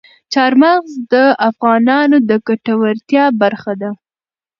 چار مغز د افغانانو د ګټورتیا برخه ده.